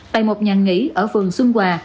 tại một nhà nghỉ ở vườn xuân hòa